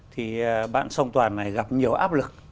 thì bạn song toàn này gặp nhiều áp lực